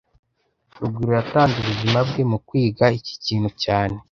Rugwiro yatanze ubuzima bwe mu kwiga iki kintu cyane